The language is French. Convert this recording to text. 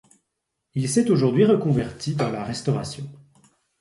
Il s'est aujourd'hui reconverti dans la restauration.